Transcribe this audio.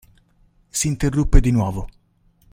S'interruppe di nuovo.